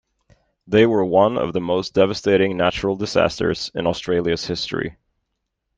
They were one of the most devastating natural disasters in Australia's history.